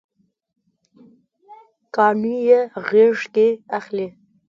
کاڼي یې غیږکې اخلي